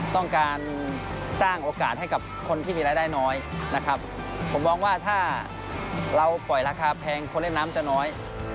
ต้องการสร้างโอกาสให้กับคนที่มีรายได้น้อยนะครับผมมองว่าถ้าเราปล่อยราคาแพงคนเล่นน้ำจะน้อย